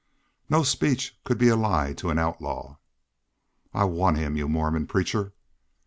"No speech could be a lie to an outlaw." "I want him, you Mormon preacher!"